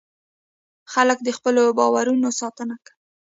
خلک د خپلو باورونو ساتنه کوي.